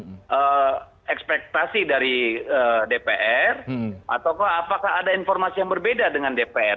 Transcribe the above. apakah ekspektasi dari dpr ataukah apakah ada informasi yang berbeda dengan dpr